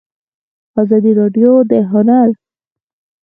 ازادي راډیو د هنر ستر اهميت تشریح کړی.